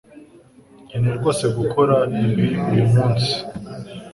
Nkeneye rwose gukora ibi uyu munsi